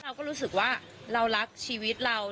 เราก็รู้สึกว่าเรารักชีวิตเรา